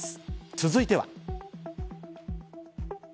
続いては。